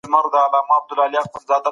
که رښتينولي وي نو درواغ به ځای ونه لري.